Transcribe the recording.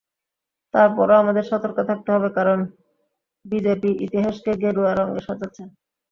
তার পরও আমাদের সতর্ক থাকতে হবে, কারণ বিজেপি ইতিহাসকে গেরুয়া রঙে সাজাচ্ছে।